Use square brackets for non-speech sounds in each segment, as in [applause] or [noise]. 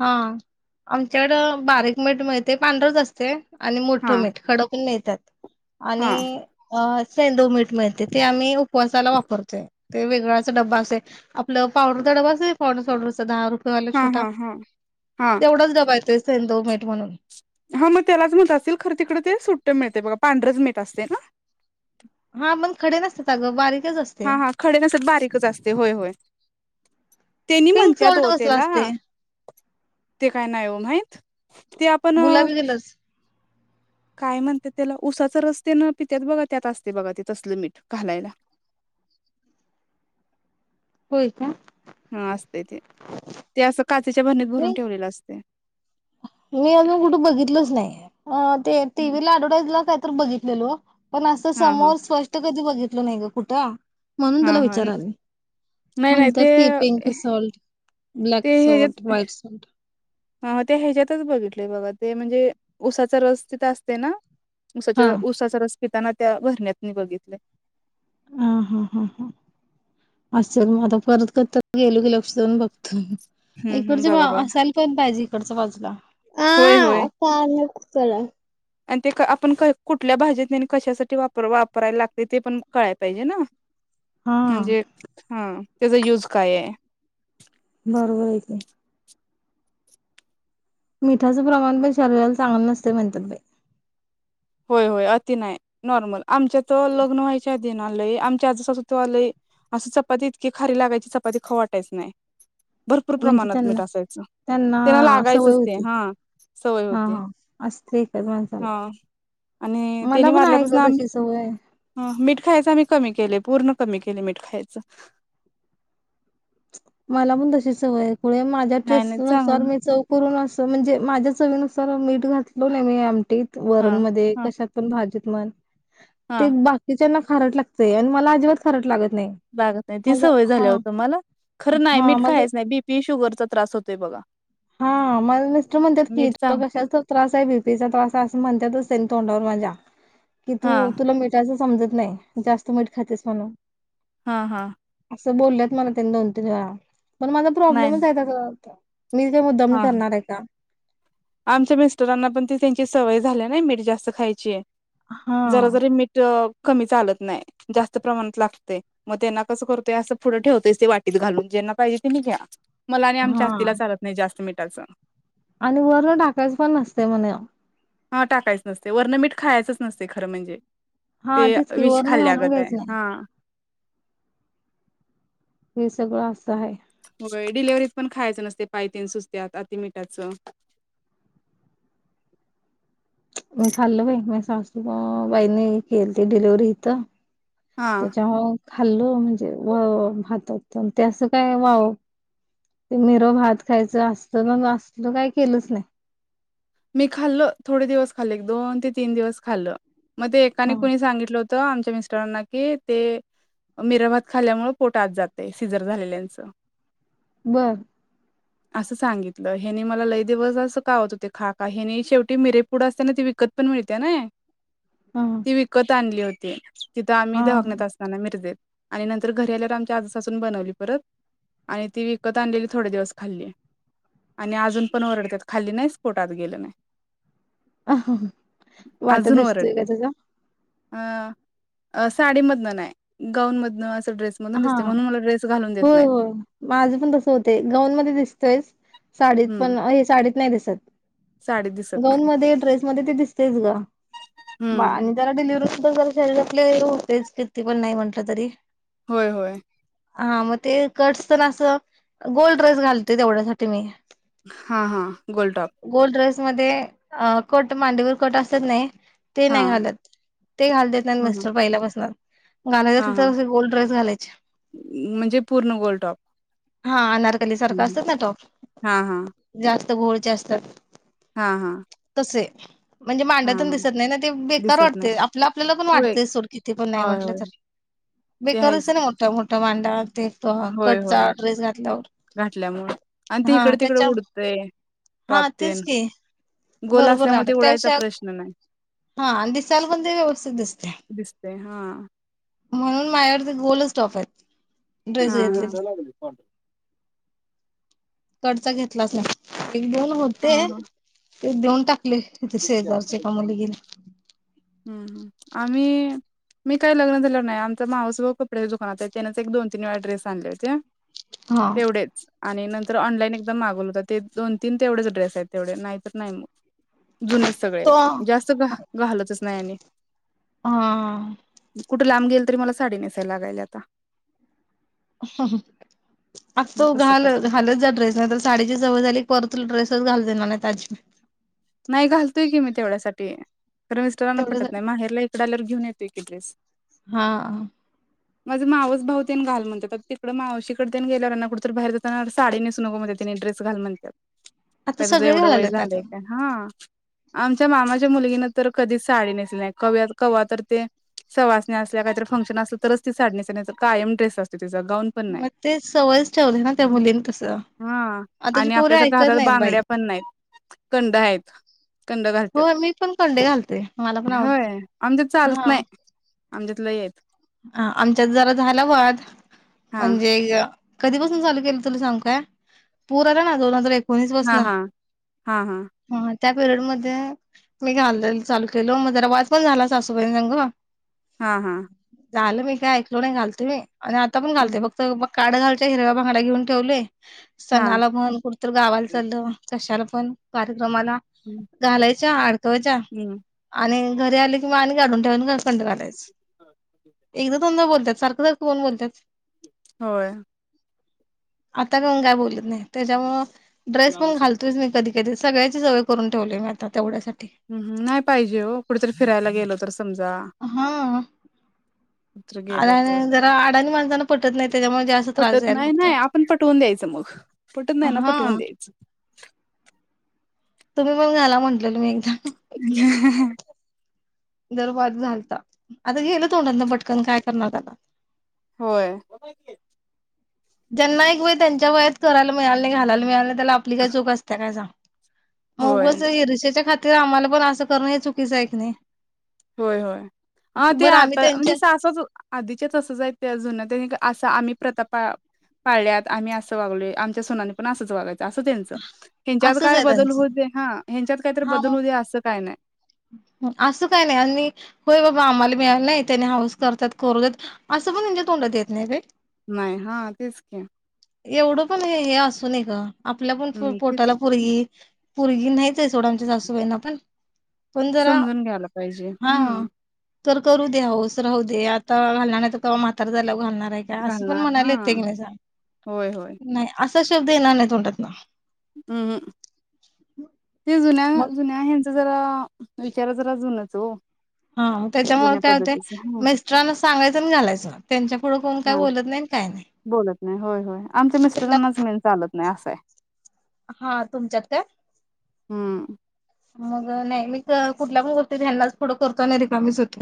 हा. आमच्याकडं बारीक मीठ मिळतय, पांढरच असतय आणि मोठ हा मीठ खडक पण मिळत्यात. हा आणि अ सेंधव मिठ ते आमही उपवास वापरते. ते वेगळा डबा असेय. आपलं पावडर चा डबा असतो, पोंड्स पावडरचा दहा रु दहा वाला हा छोटा हा हा हा तेवढाच डबा येतोय. सेंदव मीट म्हणून हा मग त्यालाच म्हणत असतील, खरं तिकडे ते सुट्ट मिळते बघ. पांढरेच मीठ असते ना? हा पण खडे नसतात, अगं बारीक हा हा खडे नसत बारीकच असते. होय. होय. तेनी पिंक म्हणतात सॉल्ट हो कसला त्याला. असते ते काय नाही हो म्हाहीत. ते आपण गुलाबी कलरच काय म्हणते त्याला, उसाच रस तेन पित्यात बघा त्यात असते बघा ते तसलं मीठ, घालायला. होय का? हा असतय ते, ते अस काचेच्या भरणीत भरून मी ठेवलेला असते. मी अजून कुठे बघितलच नाही य आ ते टीव्ही ला ॲडव्हटाइजला क तर बघितलेलो पण असं हा हा समोर स्पष्ट कधी बघितलं नाही ग कुठं म्हणून हा तुला हा विचारालोय, नाही नाही म्हणत्यात ते की pink salt black salt white salt हा ते ह्याज्यातच बघितलय बघा, ते म्हणजे उसाचा रस तिथं असते ना उसाच हा उसाचा रस पिताना त्या भरणीत मी बघितल. अ हा हा हा, असल मग आता परत कधी तर गेलो की लक्ष देऊन बघतो. हम्म हम्म इकडची बा बघा बघा असायला पण पाहिजे, इकडच्या बाजूला होय होय. आ [unintelligible] चला आणि ते क आपण कय कुठल्या भाजीतनि कशासाठी वापर वापराय लागतय ते पण कळाय पाहिजे ना हा म्हणजे हा त्याचा यूज काय ये बरोबर आय की मिठाचं प्रमाण पण शरीराला चांगलं नसतय म्हणत्यात बई होय होय अति नाई नॉर्मल, आमच्या त लग्न व्हायच्या आधी ना लय, आमची आजी सासू तवा लय, असं चपाती इतकी खारी लागायची चपाती खाऊ वाटायच नाई. भरपूर म्हणजे प्रमाणात त्यांना मीठ असायचं, त्यांना सवय लागायचंच ते होती हा सवय हा होती, हा असते एकाच माणसाला हा आणि मला त्यांनी पण आहे वारल्यापासन ग आमी, तशी सवय ह मीठ खायच आम्ही कमी केले पूर्ण मग पण कमी केलं मीठ खायाच मला पण तशी सवय‌ आय. खुळे माझ्या नाही नाही टेस्ट नुसार चांगलं मी चव करून अस त म्हणजे माझ्या चवीनुसार मीठ घातलो नई मी आमटीत वरण हां मध्ये हां कशात पण भाजीत म्हण ते हां बाकी च्याना खारट लागतंय आणि मला अजिबात खारट लागत नाही लागत नई, ती माझं सवय झाल्या ओ तुम्हाला खरं नाही हा मीठ माज, खायच नाही बीपी शुगरचा त्रास होतोय बघा हा माझं मिस्टर म्हणत्यात की मीठ चांग तुला कशाचा त त्रास आहे, बीपीचा त्रास आहे असं म्हणत्यातच तेनी तोंडावर माझ्या कि हां तू तुला मिठाचं समजत नाई जास्त मीठ खातेस म्हणून हा हा. अस बोलल्यात मला. [unintelligible] पण माझा नाही प्रॉब्लेमच नाही आहेत अगं मी काय मुद्दाम हां हां. करणार आहे का आमच्या मिस्टरांना पण त त्यांची सवय झाली ना मीठ जास्त खायची जरा हा जरी मीठ अ कमी चालत नाही जास्त प्रमाणात लागतेय मग ते ना कसं करतोय असं पुढं ठेवतोयच ते वाटीत घालून ज्यांना पाहिजे त्यांनी घ्या. मला आणि आमच्या आत्तीला हा. चालत नाही जास्त मीठ त्याचा आणि वरणं टाकायचं पण नसते म्हणे हा टाकायचं नसते वरणं मीठ खायचंच नसते खरं म्हणजे हा ते तेच की विष वरण घालून खाल्ल्यागत आहे घ्यायचं नाही. हा हे सगळं असं आहे डिलिव्हरीत पण खायचं नसते पाय अन ते सुजत्यात अति मिठाचं मी खाल्लं बाई मा सासू बाईंनी केलती डिलिव्हरी इथं हा त्याच्यामुळं खाल्लं म्हणजे भातात ते असं काय वाव ते मिरव भात खायचं असत ना असलं काय केलंच नाही. मी खाल्लं थोडे दिवस खाल्ले दोन ते तीन दिवस खाल्लं. मग ते एकाने हा. कुणी सांगितलं होत त आमच्या मिस्टरांना की ते मिरंभात खाल्यामुळे पोटत आत जाते सिजर झालेल्यांच बर. असं सांगितलं ह्यानी मला लय दिवस असं कावत होते खा ह्यानी शेवटी मिरेपुडं असत्या ना ती विकत पण मिळते ने हा ती विकत आणली होत ते तिथं आम्ही धकत असताना मिर्देत आणि नंतर घरी आल्यावर आमच्या आजासून बनवली परत आणि ती विकत आणलेली थोडे दिवस खाल्ली आणि अजून पण ओरडतात खाल्ली नाहीस गेल नाही अ वाट अजून दिसतोय का ओरडतात त्याचा अ साडीमधन नाही गाऊनमधनं हा हो होय माझं पण तस होत गऊनमध्ये दिसतेच साडीत हम्म पण अय साडीत दिस साडी [unintelligible] दिसत गाऊन नाही मध्ये ड्रेस मध्ये ते दिसतयच ग हम्म आणि जरा डिलि जरा शरीरातले हे होतेच किती पण नाही म्हटलं तरी होय होय. हा मग ते कट्स तेन असं गोल ड्रेस घालते तेवढ्यासाठी मी हां हां गोल टॉप. गोल ड्रेस मध्ये अ कट मांडीवर कट असत्यात नाही ते हा नाही घालत. ते घालू देत नाहीत ह ह मिस्टर पहिल्यापासून घालायचे हा असेल हा तर असे गोल ड्रेस घालायचे म्हणजे पूर्ण गोल टॉप. हा नर [unintelligible] असतात ना टॉप? जा स्त घोळचे असतात. हां हां. चे म्हणजे मांड्या तेन दिसत नाही ना ते बेकार दिसत नाही वाटतंय आपलं आपल्याला पण होय वाटतंय सोड किती पण नाही होय म्हटलं तर. होय ते एका आहेच दिवसाने मोठा-मोठा. वांडार. ते होय कटचा होय ड्रेस घातल्यावर, घातल्यामुळे आणि ते हा इकडे तिकडे त्याच्या, उडतंय हा टॉप तेच तेन की, गोल बरोबर नाही असल्यामुळे ते वाटत. उडायचा त्यापेक्षा प्रश्न नाही दिसायला पण ते व्यवस्थित दिसतय. दिसते हा म्हणून. माझ्याकडं गोलच टॉप आहेत. हा. हा. कटचा घेतलाच नाही. एक-दोन होते. हा हा ते देऊन टाक ले इथे शेजारच्या एका मुलगीला. आणि मी काय लग्नात घेतलं नाहि. आमचा मावस भाऊ कपड्याच्या दुकानात आहे, त्यानेच एक-दोन-तीन वेळा ड्रेस आणले होते. हा तेवढेच. आणि नंतर ऑनलाईन एकदम मागवले होते, ते दोन-तीन तेवढेच ड्रेस आहेत, तेवढे नाहीतर नाही मग. जुनेच सगळे तो आहेत, जास्त घाल घालतच नाही आणि. हा कुठे लांब गेल तरी मला साडी नेसायला लागायल्या आता. मग तू तसं घाल करते घालत जा ड्रेस, नाही तर साडीची सवय झाली परत तुला ड्रेसेच घालू देणार नाही आजी नाही घालतोय की मी तेवढ्यासाठी. तर मिस्टरांना पटत तेवढ्यासाठी नाही, माहेरला इकड आल्यावर घेऊन येते की. [unintelligible] हां. माझं मावस भाऊ तेन घाल म्हणतात तिकडं मावशीकडं तेन गेल्यावरना कुठं तरी बाहेर जाताना साडी नेसू नको म्हणत्यात तेनी ड्रेस घाल म्हणत्यात. आता सगळे घालाल्यात अगं. हां आमच्या मामाच्या मुलगीनं तर कधीच साडी नेसली नाही कव्या कवा तर ते सवासनी असल्या काहीतरी फंक्शन असलं तरच ती साडी नेसते नाहीतर कायम ड्रेस असतो तिचा गाऊन पण नाही. मग ते सवयच ठेवले ना त्या मुलीने तस हा आताची आणि पोर आपल्यासारख्या ऐकत हातात नाहीत बाई. बांगड्या पण नाहीत [unintelligible] आहेत. कंड घालत्यात हो मी पण कंडे घालते मला पण आवडते होय आमच्यात चालत हा. नाही [unintelligible] ह आमच्यात जरा झाला वाद हा म्हणजे कधीपसून चालू केलं तुला सांगू काय पुर आला ना दोन हजार एक [unintelligible] हा त्या हा हा हा पिरियड मध्ये मी घालायला चालू केल मग जरा वाद पण झाला सासुबाईन संग हा हा झालं बाई काही ऐकलो नाही घाल तू ले. आणि आता पण घालते फक्त बघ काड घालच्या हिरव्या बांगड्या घेऊन ठेवले सणाला म्हण कुठतर गावाला चाललो कशाला [unintelligible] क्रमाला घालायची चार हम्म [unintelligible] [unintelligible] एकदा दोनदा बोल त्यात सारखं सारखं कोण बोलत्यात. होय आता कोण काय बोलत नाही तेच्यामुं ड्रेस पण घालतोयच मी कधी कधी सगळ्याची सवय करून ठेवलोय मी आता तेवढ्यासाठी हम्म.. नाही पाहिजे ओ कुठेतरी फिरायला गेलो तर समजा हा कुठेतरी गेलो आणि तर जरा अडाणी माणसानं - पटत नाही. त्याच्यामुळे जास्त त्रास पटत द्यायला नाही. नाही बघतात आपण पटवून द्यायचं मग, पटत नाही ना हा पटवून द्यायचं. तुम्ही पण घाला म्हटलेल मी एकदा अ ह दरवार झालता आता गेल तोंडातना पटकन काय करणार त्याला होय ज्यांना एक वेळ त्यांच्या वयात करायला मिळाले घालायला मिळाले त्याला आपली का चूक असतते काय स अ होय उगच इर्षेच्या खा तीर आम्हाला पण असं करणं हे चुकीचं आहे की नाही? होय होय, आ ते बरं आम्ही आता म्हणजे त्यांच्या सासंच आधीच्या तसंच आहेत त्या जुन्या त्यानी असं आम्ही प्रता पा पाळल्यात आम्ही असं वागलोय आमच्या सुनांनी पण असंच वागाय चं असं त्यांचं ह्यांच्यात असंच काय आहे बदल त्यांचं होऊदे. हां ह्यांच्यात काय तर हा बदल होऊदे असं काय नाय. असं काही नाही आणि होय बाबा आम्हाला मिळालं नाही त्यांनी हाऊस करत्यात करू देत असं पण ह्यांच्या तोंडात येत नाही काही. नाही हां तेच की. एवढं पण हे हे असू नये गं. आपल्या पण पो हम्म तेच पोटाला पोरगी पोरगी नाहीच आहे सोड आमच्या सासूबाईंना पण. पण जरा समजून घ्यायला पाहिजे हा हम्म. तर करू दे हाऊस राहू दे, आता घालणार नाही तर कवा म्हातार झालावर घालणार. असं पण घालणार म्हणायला हा येते का नाही सांग. होय होय नाही असा शब्द. शब्द येणार नाय तोंडातन. हम्म. ते मग जुन्या-जुन्या हेंच जरा विचार जरा जूनच ओ. हा त्याच्यामुळे काय होते. मिस्टरांना सांगायचं आणि घालायचं, त्यांच्या पुढं कोण काय हा बोलत नाही आणि काय नाही. बोलत नाही होय-होय आमच्या मिस्टरांनाच त्यांना मेन चालत नाही अस आहे. हा तुमच्यात काय. हम्म मग नाही मी कुठल्या पण गोष्टीत, ह्यानाच पुढं करतो आणि रीकामीच होते.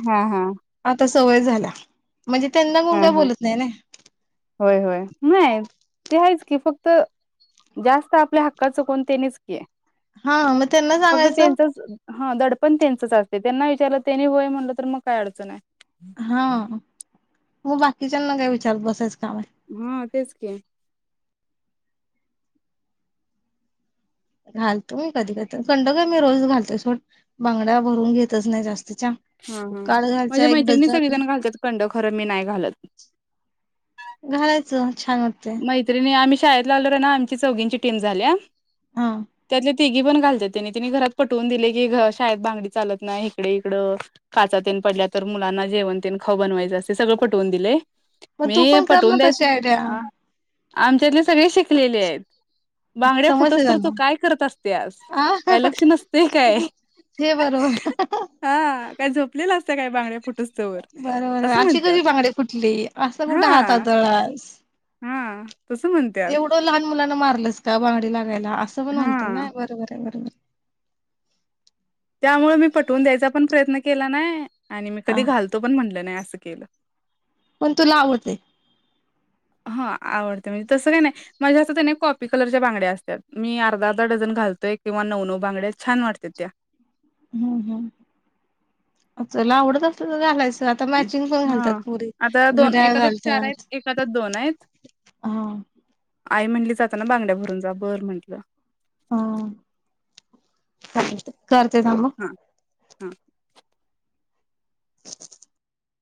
हा, हा. सवय झाल्या. म्हणजे त्यांना कोण हा काय हा बोलत नाही नई. होय होय नाही ते आहेच की फक्त, जास्त आपल्या हक्काचं कोण तेनीच की. हा म फक्त त्यांचाच हा दडप पण त्यांचच असतय, त्यांना विचारलं, त्यांनी होय म्हटलं, तर मग काय अडचण हाय? हा उभा घरच्याना काय विचारत बसायच? हा [unintelligible] तेच की. घालतो मी, कधी? कधी? कंड काय मी रोज घालतोय सोड, बांगड्या भरून घेतच नाही जास्त हा, हा म्हणजे मैत्रिणी डझन सगळीजण घालतात, कंड खरं मी नाही घालत. घालायचं. छान वाटते मैत्रिणी आम्ही- शाळेत आलेवर ना आमची चौघींची टीम झाली. हा त्यात तिघी पण घालत्यात, त्यानी तिने घरात पटवून दिले की, घर शाळेत बांगडी चालत नाही इकडे इकडं काचातेन पडल्या तर मुलांना जेवणतेन, खावू बनवायचं, असे सगळं पटवून दिलय. मग तू पण करण तशी आयड्या अ आमच्यातले सगळे शिकलेली ते [unintelligible] बांगड्या समजते फोटूस तर तू त्यांना काय करत असत्यास? आ काय लक्ष नसते काय? हे बरोबर हा काय झोपलेलं असत काय बांगड्या फोटूस तवर? बरोबर असं अशी म्हणत्यात, कशी बांगडी फुटली असं कुठे हात आ, आदळलास हा. तसं म्हणत्यात. एवढं लहान मुलांना मारलस का? बागंडी लाग असं पण म्हणतील हा ना, बरोबर आहे बरोबर. त्यामुळे मी पटवून द्यायचा पण प्रयत्न केला नाही आणि मी हा कधी घालतो पण म्हटलं नाही असं केलं. पण तुला आवडते. हा आवडते, म्हणजे तसं काय नाय माझ्या असता नाही कॉपी कलरच्या बांगड्या असत्यात, मी अर्धा अर्धा डझन घालतोय किंवा नऊ नऊ बांगड्या छान वाटतात त्या. हम्म, हम, चला आवडत असलं तर घालायच. आता हं. मॅचिंग पण घालतात हां, पुरी, आता घड्याळ एका हातात आहेत, घालत्यात, एका हातात आहेत. हा- आई म्हटली, जाताना बांगड्या भरून जा, बर म्हंटलं. ह. काही तर. करते थांब. हा.